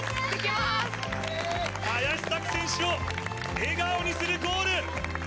林咲希選手を笑顔にするゴール。